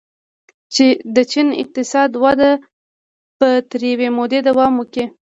د چین اقتصادي وده به تر یوې مودې دوام وکړي.